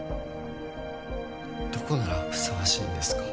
どこならふさわしいんですか？